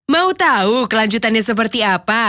mau tahu kelanjutannya seperti apa